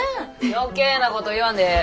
余計なこと言わんでええ。